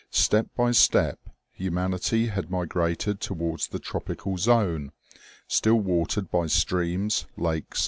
Step by step humanity had migrated towards the tropical zone, still watered by streams, lakes and seas.